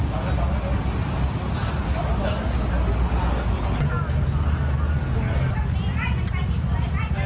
เป็นตู้หรือ